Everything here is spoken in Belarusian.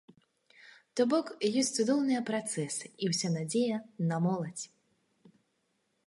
То бок, ёсць цудоўныя працэсы, і ўся надзея на моладзь!